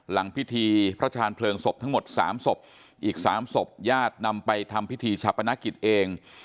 หลังพิธีพระชาญเพลิงศพทั้งหมด๓ศพอีกสามศพญาตินำไปทำพิธีชาปนกิจเอง